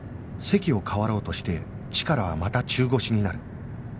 席を替わろうとしてチカラはまた中腰になる